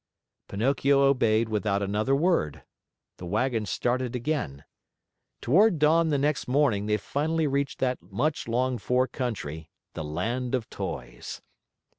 Pinocchio obeyed without another word. The wagon started again. Toward dawn the next morning they finally reached that much longed for country, the Land of Toys.